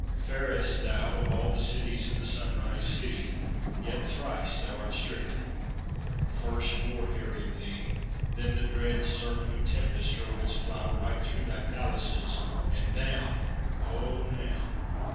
Fairest, thou, Of all the cities of the sunrise sea, Yet thrice art stricken. First, war harried thee; Then the dread circling tempest drove its plough Right through thy palaces; and now, O now!